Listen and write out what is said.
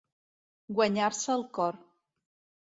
Guanyar-se el cor.